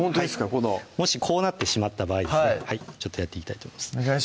このもしこうなってしまった場合やっていきたいと思います